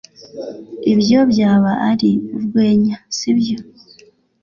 Ibyo byaba ari urwenya sibyo